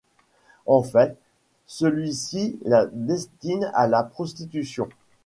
En fait, celui-ci la destine à la prostitution.